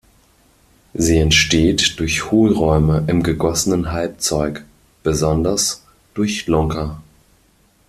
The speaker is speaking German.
Sie entsteht durch Hohlräume im gegossenen Halbzeug, besonders durch Lunker.